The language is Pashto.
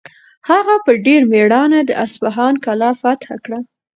هغه په ډېر مېړانه د اصفهان کلا فتح کړه.